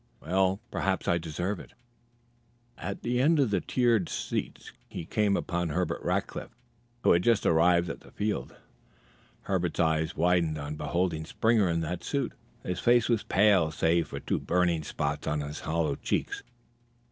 "Well, perhaps I deserve it." At the end of the tiered seats he came upon Herbert Rackliff, who had just arrived at the field. Herbert's eyes widened on beholding Springer in that suit. His face was pale save for two burning spots upon his hollow cheeks.